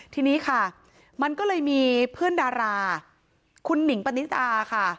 ทีนี้ค่ะมันก็เลยมีเพื่อนดาราคุณหนิงปณิตาค่ะ